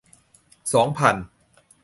สองพัน